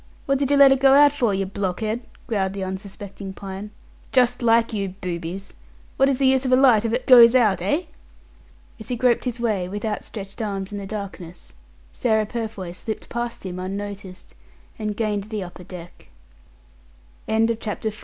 What did you let it go out for, you blockhead!" growled the unsuspecting Pine. "Just like you boobies! What is the use of a light if it 'goes out', eh?" As he groped his way, with outstretched arms, in the darkness, Sarah Purfoy slipped past him unnoticed, and gained the upper deck. CHAPTER V.